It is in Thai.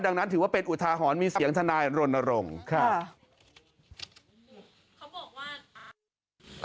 ดังนั้นถือว่าเป็นอุทาหรณ์มีเสียงทนายรณรงค์ครับ